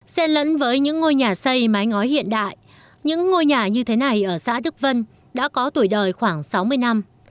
xe lẫn với những ngôi nhà xây mái ngói hiện đại những ngôi nhà như thế này ở xã đức vân đã có tuổi đời khoảng sáu mươi năm